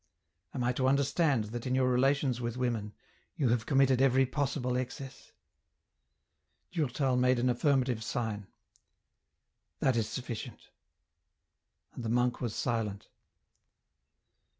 " Am I to understand that in your relations with women, you have committed every possible excess ?" Durtal made an affirmative sign. " That is sufficient." And the monk was silent.